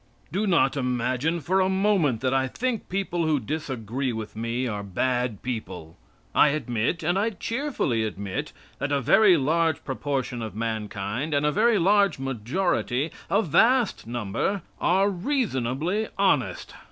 Do not imagine for a moment that I think people who disagree with me are bad people. I admit, and I cheerfully admit, that a very large proportion of mankind and a very large majority, a vast number, are reasonably honest.